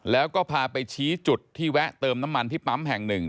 แล้วก็พาไปชี้จุดที่แวะเติมน้ำมันที่ปั๊มแห่งหนึ่ง